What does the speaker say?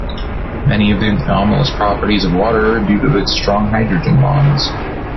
Many of the anomalous properties of water are due to its very strong hydrogen bonds.